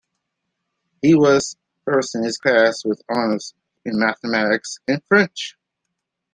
He was first in his class with honors in mathematics and French.